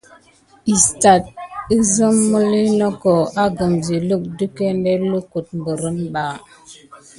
Istat gelzim miliy noko akum siluk de kumgene kuluck berinba.